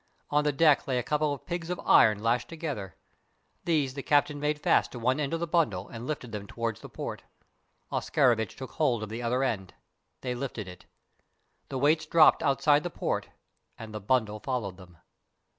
On the deck lay a couple of pigs of iron lashed together. These the captain made fast to one end of the bundle and lifted them towards the port. Oscarovitch took hold of the other end. They lifted it. The weights dropped outside the port, and the bundle followed them.